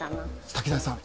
滝沢さん